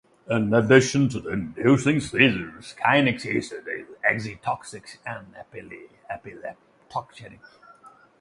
In addition to inducing seizures, kainic acid is excitotoxic and epileptogenic.